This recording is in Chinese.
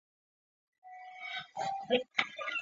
清雍正元年重修。